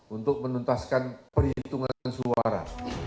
untuk menuntaskan perhitungan suara